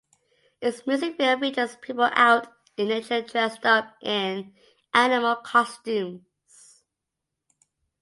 Its music video features people out in nature dressed up in animal costumes.